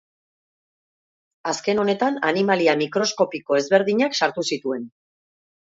Azken honetan animalia mikroskopiko ezberdinak sartu zituen.